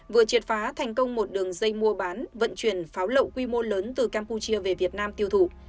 vừa triệt phá thành công một đường dây mua bán vận chuyển pháo lậu quy mô lớn từ campuchia về việt nam tiêu thụ